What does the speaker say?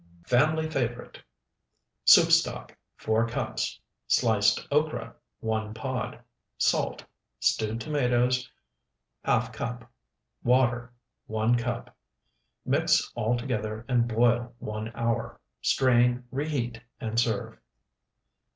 FAMILY FAVORITE Soup stock, 4 cups. Sliced okra, 1 pod. Salt. Stewed tomatoes, ½ cup. Water, 1 cup. Mix all together and boil one hour; strain, reheat, and serve.